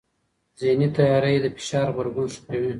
ذهني تیاری د فشار غبرګون ښه کوي.